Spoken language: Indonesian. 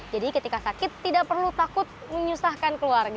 jadi ketika sakit tidak perlu takut menyusahkan